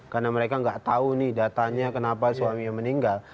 karena mereka tidak tahu nih datanya kenapa suaminya meninggal